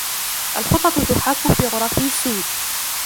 الخطط تحاك في غرف سود